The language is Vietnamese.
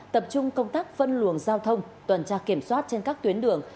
tập trung công tác phân luồng giao thông tuần tra kiểm soát trên các tuyến đường